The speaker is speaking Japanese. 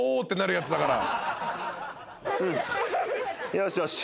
よしよし。